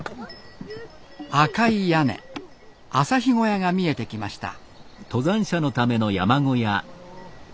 赤い屋根朝日小屋が見えてきました。